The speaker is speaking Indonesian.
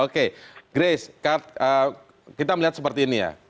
oke grace kita melihat seperti ini ya